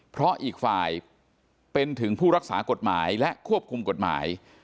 เพราะอีกฝ่ายเป็นถึงผู้รักษากฎหมายและควบคุมกฎหมาย